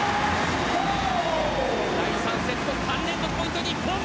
第３セット、３連続ポイント日本。